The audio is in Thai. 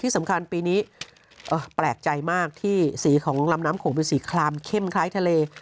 สำคัญปีนี้แปลกใจมากที่สีของลำน้ำโขงเป็นสีคลามเข้มคล้ายทะเล